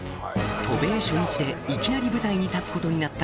渡米初日でいきなり舞台に立つことになった